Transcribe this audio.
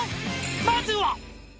まずは」